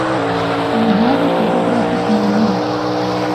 I had a photographic memory.